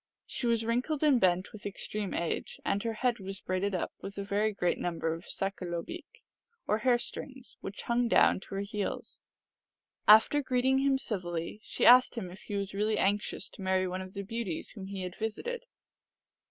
She was wrinkled and bent with extreme age, and her head was braided up with a very great number of sakalobeek, or hair strings, which hung down to her heels. After greeting him civilly, she asked him if he was really anxious to marry one of the beauties whom he had visited.